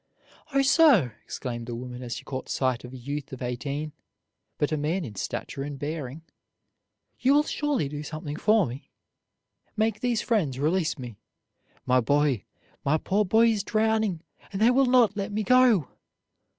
"Oh, sir," exclaimed the woman as she caught sight of a youth of eighteen, but a man in stature and bearing; "you will surely do something for me! Make these friends release me. My boy, my poor boy is drowning, and they will not let me go!"